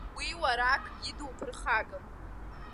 Уи уара акгьы дуԥырхагам.